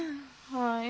はい。